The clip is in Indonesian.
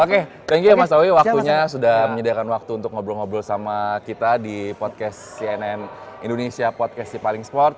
oke thank you ya mas awi waktunya sudah menyediakan waktu untuk ngobrol ngobrol sama kita di podcast cnn indonesia podcast si paling sport